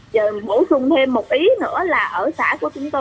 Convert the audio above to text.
giờ bổ sung thêm một ý nữa là ở xã của chúng tôi